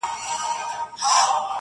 نسیمه را خبر که په سفر تللي یاران!.